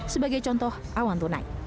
sebagai contoh awan tunai